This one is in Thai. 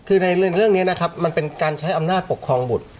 คือในเรื่องนี้นะครับมันเป็นการใช้อำนาจปกครองบุตร